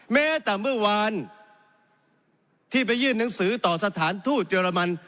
แม้แต่เมื่อวานที่ไปยื่นหนังสือต่อสถานทูตเยอรมัน